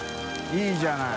いいじゃない。